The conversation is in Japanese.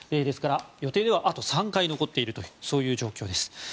ですから、予定ではあと３回残っているというそういう状況です。